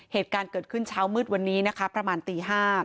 เหตุการณ์เกิดขึ้นเช้ามืดวันนี้นะคะประมาณตี๕